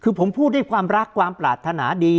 คือผมพูดด้วยความรักความปรารถนาดี